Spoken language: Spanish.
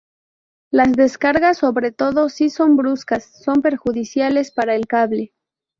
Las descargas, sobre todo si son bruscas, son perjudiciales para el cable.